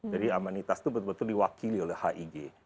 jadi amanitas itu betul betul diwakili oleh hig